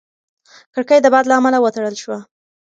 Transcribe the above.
کړکۍ د باد له امله وتړل شوه.